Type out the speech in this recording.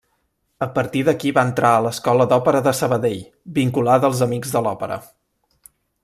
A partir d'aquí va entrar a l'Escola d'Òpera de Sabadell, vinculada als Amics de l'Òpera.